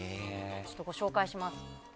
ご紹介します。